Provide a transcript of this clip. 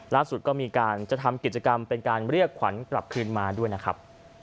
ก็มีการจะทำกิจกรรมเป็นการเรียกขวัญกลับคืนมาด้วยนะครับ